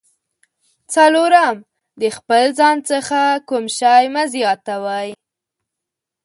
څلورم: د خپل ځان څخه کوم شی مه زیاتوئ.